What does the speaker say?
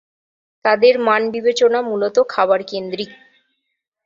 তাদের মান বিবেচনা মূলত খাবারকেন্দ্রিক।